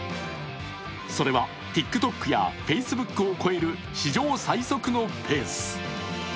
それはＴｉｋＴｏｋやＦａｃｅｂｏｏｋを超える史上最速のペース。